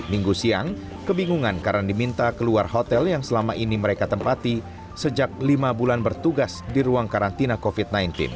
minggu siang kebingungan karena diminta keluar hotel yang selama ini mereka tempati sejak lima bulan bertugas di ruang karantina covid sembilan belas